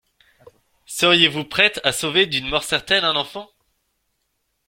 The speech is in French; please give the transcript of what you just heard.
Seriez-vous prête à sauver d’une mort certaine un enfant